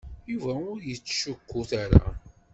Yuba ur yettcukkut ara.